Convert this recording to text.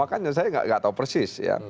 makanya saya nggak tahu persis ya